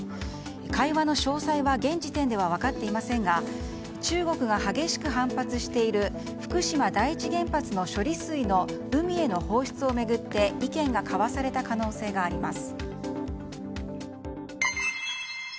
会話の詳細は現時点では分かっていませんが中国が激しく反発している福島第一原発の処理水の海への放出を巡って意見が交わされた可能性があります。